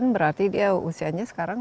berarti dia usianya sekarang